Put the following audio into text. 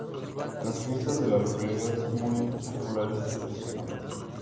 Las fiestas de la localidad son muy populares y tradicionales.